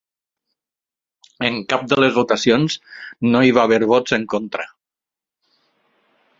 En cap de les votacions no hi va haver vots en contra.